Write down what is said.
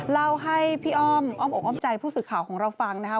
เราให้พี่อ้อมอ้อมอบใจผู้สื่อข่าวของเราฟังนะฮะ